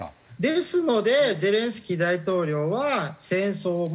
ですのでゼレンスキー大統領は戦争前の立ち位置